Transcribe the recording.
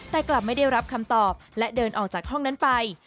แต่กลับไม่ได้รับคำตอบและเดินออกจากห้องนั้นไป